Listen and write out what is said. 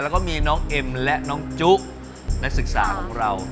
แล้วก็มีน้องเอ็มและน้องจุนักศึกษาของเรา